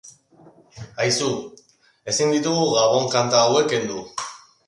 Aizu, ezin ditugu Gabon-kanta hauek kendu?